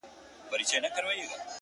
پښتنو انجونو کي حوري پيدا کيږي،